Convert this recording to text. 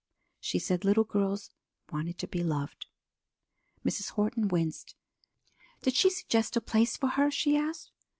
She said little girls wanted to be loved." Mrs. Horton winced. "Did she suggest a place for her?" she asked.